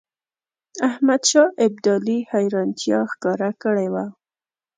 احمدشاه ابدالي حیرانیتا ښکاره کړې وه.